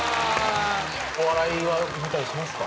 お笑いは見たりしますか？